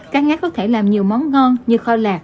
cá ngát có thể làm nhiều món ngon như kho lạc